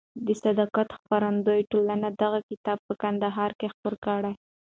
د صداقت خپرندویه ټولنې دغه کتاب په کندهار کې خپور کړ.